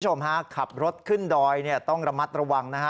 คุณผู้ชมฮะขับรถขึ้นดอยต้องระมัดระวังนะฮะ